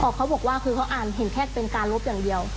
เขาบอกคืออ่านแค่เห็นเป็นการลบอย่างเดียว